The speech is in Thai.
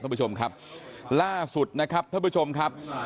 ท่านผู้ชมครับล่าสุดนะครับท่านผู้ชมครับ